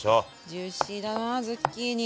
ジューシーだなズッキーニ。